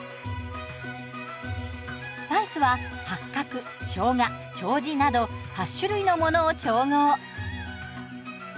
スパイスは八角生姜丁字など８種類のものを調合。